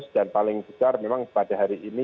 dan paling besar memang pada hari ini